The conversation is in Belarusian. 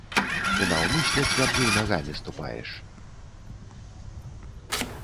І наўмысля цвярдзей нагамі ступаеш.